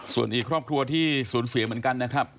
ส่วนอีกครอบครัวที่สูญเสียเหมือนกันนะครับ